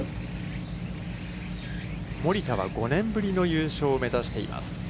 森田は、５年ぶりの優勝を目指しています。